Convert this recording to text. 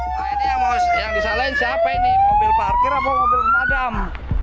nah ini ya yang bisa lain siapa ini mobil parkir apa mobil pemadam